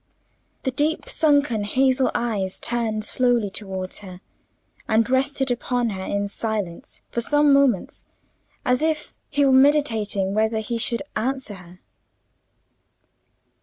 The deep sunken hazel eyes turned slowly towards her, and rested upon her in silence for some moments, as if he were meditating whether he should answer her.